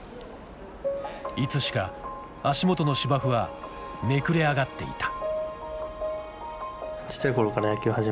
いつしか足元の芝生はめくれ上がっていた。